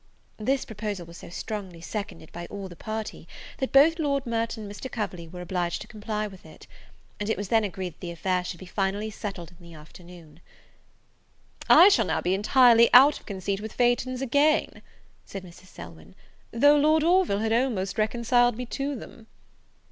This proposal was so strongly seconded by all the party, that both Lord Merton and Mr. Coverley were obliged to comply with it; and it was then agreed that the affair should be finally settled in the afternoon. "I shall now be entirely out of conceit with phaetons again," said Mrs. Selwyn, "though Lord Orville had almost reconciled me to them."